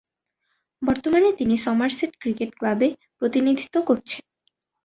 বর্তমানে তিনি Somerset cricket ক্লাবে প্রতিনিধিত্ব করছেন।